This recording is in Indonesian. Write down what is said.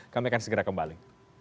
kami akan segera kembali